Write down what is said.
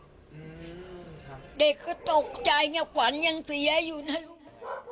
เด็กก็ตกใจฝันยังเสียอยู่นะลูก